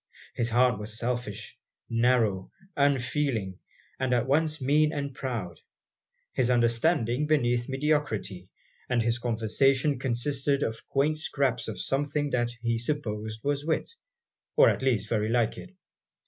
His heart was selfish, narrow, unfeeling, and at once mean and proud; his understanding beneath mediocrity; and his conversation consisted of quaint scraps of something that he supposed was wit, or at least very like it.